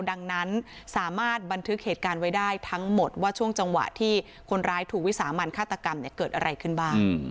ดังนั้นสามารถบันทึกเหตุการณ์ไว้ได้ทั้งหมดว่าช่วงจังหวะที่คนร้ายถูกวิสามันฆาตกรรมเกิดอะไรขึ้นบ้าง